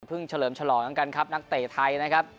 เพิ่งเฉลิมฉลองนั้นกันครับนักเต่ไทยนะครับ